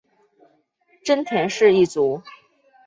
真田氏一族。